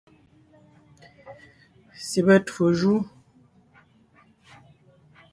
Syɛbɛ twó jú.